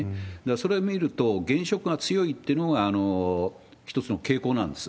それを見ると、現職が強いっていうのが一つの傾向なんです。